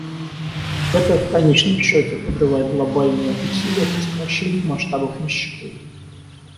Это, в конечном счете, подрывает глобальные усилия по сокращению масштабов нищеты.